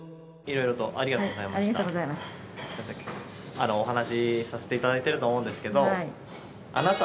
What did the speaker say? あのお話させていただいてると思うんですけど。